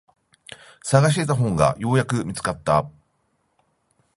探していた本がようやく見つかった。